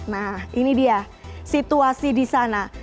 nah ini dia situasi di sana